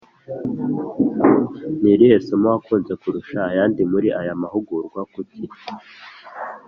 Ni irihe somo wakunze kurusha ayandi muri aya mahugurwa Kuki